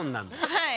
はい。